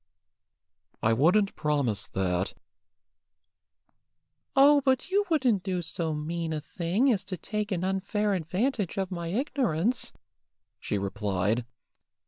"I wouldn't promise that." "Oh, but you wouldn't do so mean a thing as to take an unfair advantage of my ignorance," she replied.